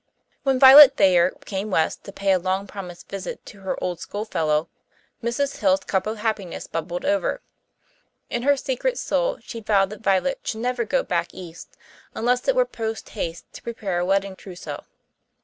When Violet Thayer came west to pay a long promised visit to her old schoolfellow, Mrs. Hill's cup of happiness bubbled over. In her secret soul she vowed that Violet should never go back east unless it were post haste to prepare a wedding trousseau.